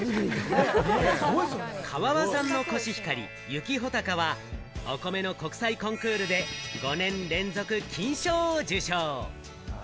川場産のコシヒカ「雪ほたか」はお米の国際コンクールで５年連続金賞を受賞。